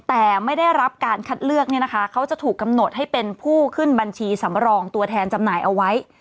แต่ไม่ได้รับการคัดเลือกเนี่ยนะคะเขาจะถูกกำหนดให้เป็นผู้ขึ้นบัญชีสำรองตัวแทนจำหน่ายเอาไว้